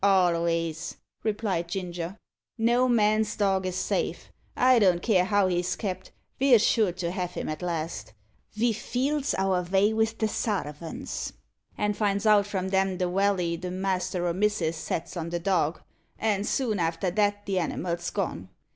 "Alvays," replied Ginger. "No man's dog is safe. I don't care how he's kept, ve're sure to have him at last. Ve feels our vay with the sarvents, and finds out from them the walley the master or missis sets on the dog, and soon after that the animal's gone.